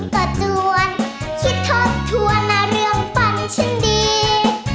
ถ้าไม่ถึงก็จวนคิดทบทวนนะเรื่องฝั่นฉันดี